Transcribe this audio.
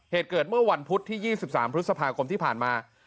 เหตุเกิดเมื่อวันพุธที่๒๓พฤษภาคมที่ผ่านมา